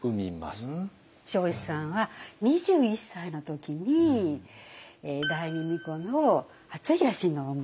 彰子さんは２１歳の時に第二皇子の敦成親王を産む。